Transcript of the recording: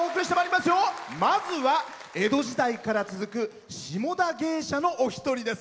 まずは江戸時代から続く下田芸者のお一人です。